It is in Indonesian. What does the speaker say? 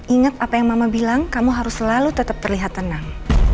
ingat apa yang mama bilang kamu harus selalu tetap terlihat tenang